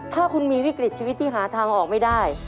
ถ้าคุณมีวิกฤตชีวิตที่หาทางออกไม่ได้